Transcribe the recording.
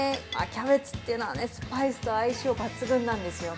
キャベツというのは、スパイスと相性抜群なんですよ。